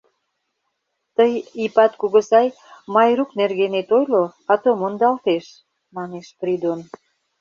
— Тый, Ипат кугызай, Майрук нергенет ойло, ато мондалтеш, — манеш Придон.